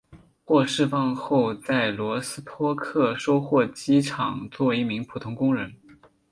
获释放后在罗斯托克收获机厂做一名普通工人。